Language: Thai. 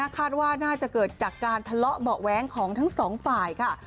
คาดว่าน่าจะเกิดจากการทะเลาะเบาะแว้งของทั้งสองฝ่ายค่ะ